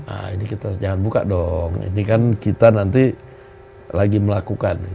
nah ini kita jangan buka dong ini kan kita nanti lagi melakukan